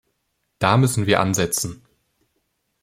Da müssen wir ansetzen!